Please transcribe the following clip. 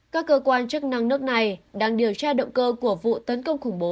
các cơ quan chức năng nước này đang điều tra động cơ của vụ tấn công khủng bố